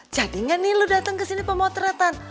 jadinya nih lu dateng kesini pemotretan